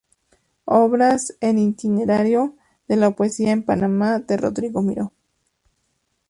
Obras en Itinerario de la poesía en Panamá, de Rodrigo Miró